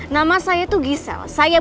namal sul sudah rope